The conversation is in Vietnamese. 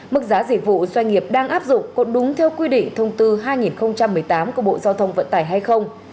mức giá dịch vụ doanh nghiệp đang áp dụng có đúng theo quy định thông tư hai nghìn một mươi tám của bộ giao thông vận tải hay không